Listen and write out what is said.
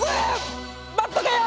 待っとけよ！